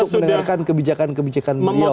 untuk mendengarkan kebijakan kebijakan beliau